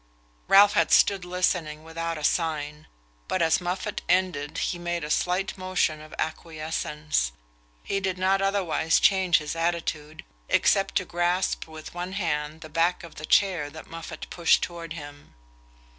Ralph had stood listening without a sign, but as Moffatt ended he made a slight motion of acquiescence. He did not otherwise change his attitude, except to grasp with one hand the back of the chair that Moffatt pushed toward him.